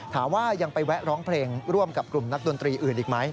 ยังไปแวะร้องเพลงร่วมกับกลุ่มนักดนตรีอื่นอีกไหม